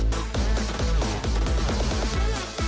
โปรดติดตามต่อไป